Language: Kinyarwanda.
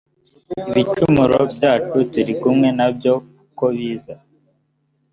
ibicumuro byacu turi kumwe na byo kobiza